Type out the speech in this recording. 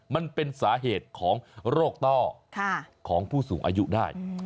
มันเป็นสาเหตุของโรคต้อของผู้สูงอายุได้